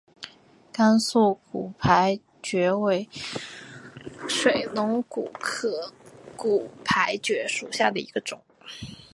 甘肃骨牌蕨为水龙骨科骨牌蕨属下的一个种。